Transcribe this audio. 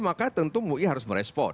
maka tentu mui harus merespon